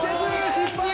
失敗！